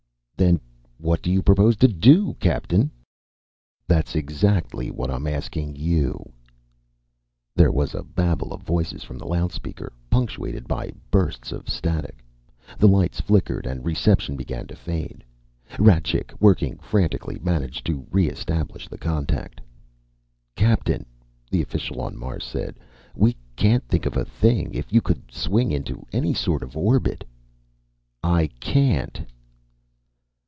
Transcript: "Then what do you propose to do, Captain?" "That's exactly what I'm asking you." There was a babble of voices from the loudspeaker, punctuated by bursts of static. The lights flickered and reception began to fade. Rajcik, working frantically, managed to re establish the contact. "Captain," the official on Mars said, "we can't think of a thing. If you could swing into any sort of an orbit " "I can't!"